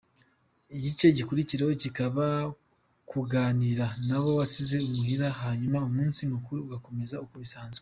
Igice gikurikiraho kikaba kuganira n’abo wasize imuhira hanyuma umunsi mukuru ugakomeza uko bisanzwe.